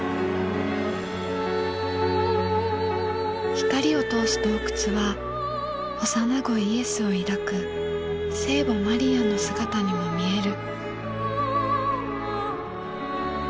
光を通す洞窟は幼子イエスを抱く聖母マリアの姿にも見える。